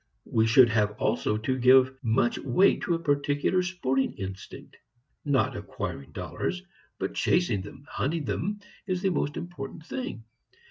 We should have also to give much weight to a peculiar sporting instinct. Not acquiring dollars, but chasing them, hunting them is the important thing.